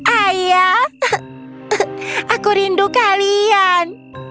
ayah aku rindu kalian